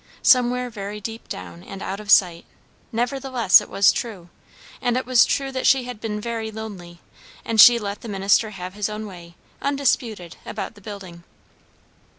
Somewhere very deep down and out of sight, nevertheless it was true; and it was true that she had been very lonely; and she let the minister have his own way, undisputed, about the building.